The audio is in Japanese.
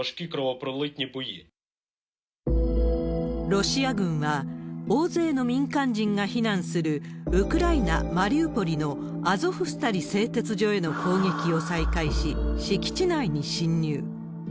ロシア軍は、大勢の民間人が避難する、ウクライナ・マリウポリのアゾフスタリ製鉄所への攻撃を再開し、敷地内に侵入。